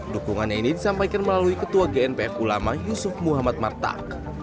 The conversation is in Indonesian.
dukungannya ini disampaikan melalui ketua gnpf ulama yusuf muhammad martak